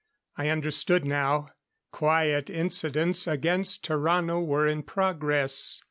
I understood now. Quiet incidents against Tarrano were in progress.